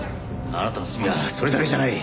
あなたの罪はそれだけじゃない。